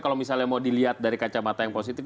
kalau misalnya mau dilihat dari kacamata yang positif